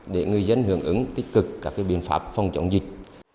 để người dân hưởng ứng tích cực các biện pháp phòng chống dịch